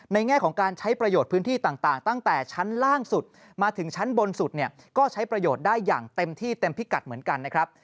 แง่ของการใช้ประโยชน์พื้นที่ต่างตั้งแต่ชั้นล่างสุดมาถึงชั้นบนสุดเนี่ยก็ใช้ประโยชน์ได้อย่างเต็มที่เต็มพิกัดเหมือนกันนะครับ